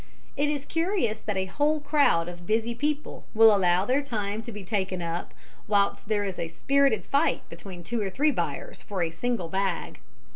It is curious that a whole crowd of busy people will allow their time to be taken up whilst there is a spirited fight between two or three buyers for a single bag.